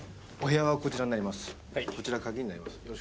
お部屋はこちらになります。